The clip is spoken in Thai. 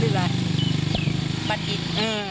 อื้อนั่นเอง